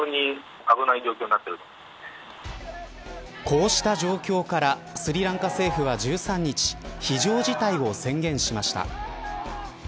こうした状況からスリランカ政府は１３日非常事態を宣言しました。